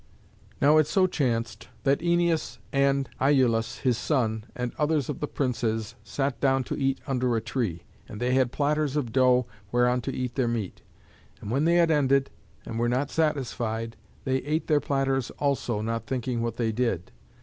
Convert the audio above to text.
Now it so chanced that Æneas and Iülus his son, and others of the princes, sat down to eat under a tree; and they had platters of dough whereon to eat their meat. And when they had ended, and were not satisfied, they ate their platters also, not thinking what they did.